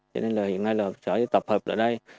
cho nên là hiện nay là sở tập hợp ở đây